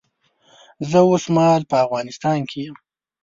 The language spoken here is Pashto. زه اوس مهال په افغانستان کې یم